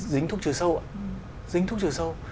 dính thuốc trừ sâu ạ